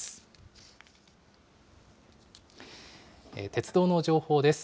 鉄道の情報です。